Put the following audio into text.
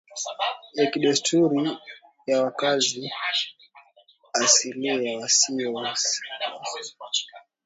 ya kidesturi ya wakazi asilia wasio Warusi siku hizi kote Warusi